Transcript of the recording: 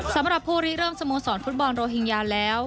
สำหรับผู้รีเริ่มสโมสรฟุตบอลโรฮิงญาแล้ว